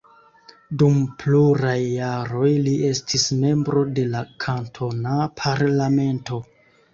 Dum pluraj jaroj li estis membro de la kantona parlamento.